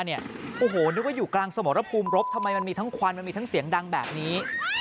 โอ้โหนึกว่าอยู่กลางสมรภูมิรบทำไมมันมีทั้งควันมันมีทั้งเสียงดังแบบนี้